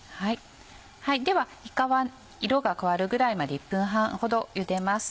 ではいかは色が変わるぐらいまで１分半ほどゆでます。